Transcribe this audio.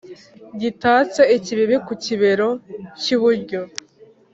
Gitatse ikibibi ku kibero cy’iburyo.